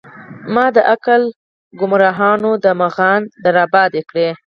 مــــــــا د عـــــــقل ګــــمراهانو د مغان در اباد کړی